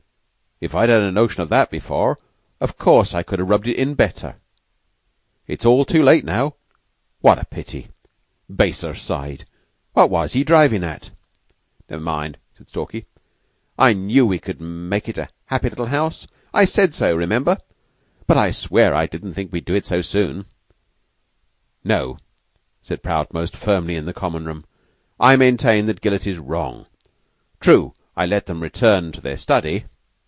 If I'd had a notion of that before, of course I could have rubbed it in better. It's too late now. What a pity! 'Baser side.' What was he drivin' at?" "Never mind," said Stalky. "I knew we could make it a happy little house. I said so, remember but I swear I didn't think we'd do it so soon." "No," said Prout most firmly in Common room. "I maintain that Gillett is wrong. True, I let them return to their study."